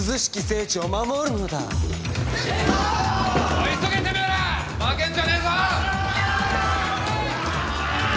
・おい急げてめえら負けんじゃねえぞ！